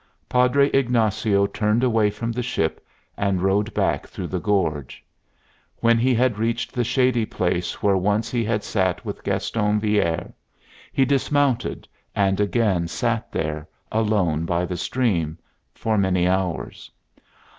Padre Ignacio turned away from the ship and rode back through the gorge. When he had reached the shady place where once he had sat with Gaston Villere, he dismounted and again sat there, alone by the stream, for many hours.